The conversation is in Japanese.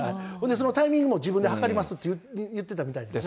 そのタイミングも自分ではかりますって言ってたみたいですね。